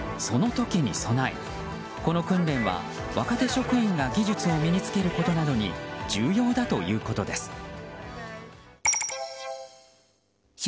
その時に備えこの訓練は若手職員が技術を身に着けることなどに重要だということです。